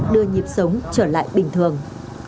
đưa nhiệm sống trở lại bình thường